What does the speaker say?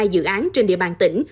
năm mươi hai dự án trên địa bàn tỉnh